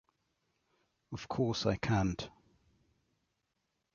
Of course I can't.